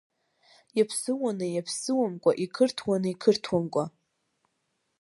Иаԥсыуаны иаԥсыуамкәа, иқырҭуаны иқырҭуамкәа!